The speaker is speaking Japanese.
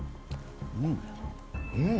うん